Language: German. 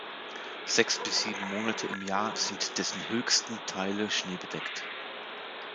Sechs bis sieben Monate im Jahr sind dessen höchsten Teile schneebedeckt.